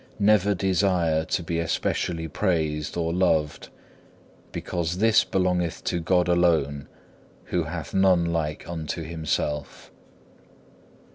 Never desire to be specially praised or loved, because this belongeth to God alone, who hath none like unto Himself.